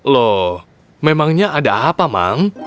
loh memangnya ada apa mang